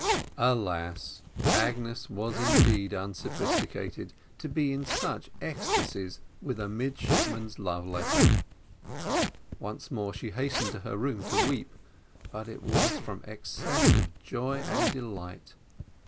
Alas! Agnes was, indeed, unsophisticated, to be in such ecstasies with a midshipman's love letter. Once more she hastened to her room to weep, but it was from excess of joy and delight.